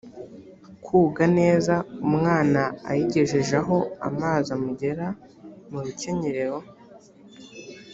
koga neza umwana ayigejeje aho amazi amugera mu rukenyerero